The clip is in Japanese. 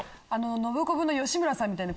ノブコブの吉村さんみたいに。